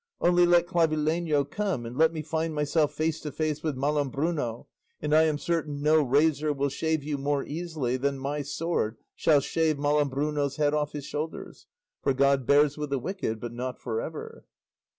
Only let Clavileño come and let me find myself face to face with Malambruno, and I am certain no razor will shave you more easily than my sword shall shave Malambruno's head off his shoulders; for 'God bears with the wicked, but not for ever.